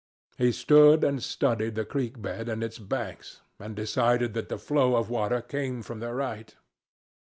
He stood and studied the creek bed and its banks, and decided that the flow of water came from the right.